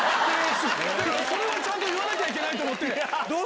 それはちゃんと言わなきゃいけないと思って。